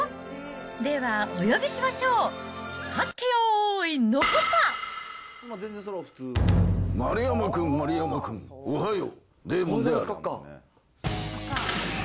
では、お呼びしましょう。はっけよーい、丸山君、丸山君、おはよう。